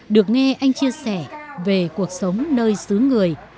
được nghe anh chia sẻ về cuộc sống nơi xứ người